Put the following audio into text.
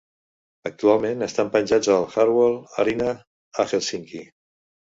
Actualment estan penjats al Hartwall Areena a Hèlsinki.